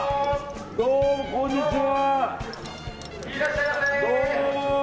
どうもこんにちは。